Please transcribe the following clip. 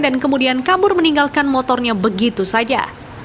dan kemudian kabur meninggalkan motornya begitu saja